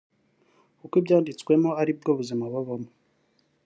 kuko ibyanditsemo ari bwo buzima babamo